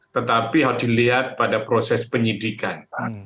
tetapi harus dilihat pada proses penyidikan